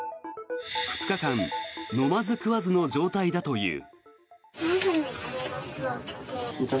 ２日間飲まず食わずの状態だという。